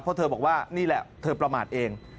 เพราะเธอบอกว่านี่แหละเธอประมาทเอง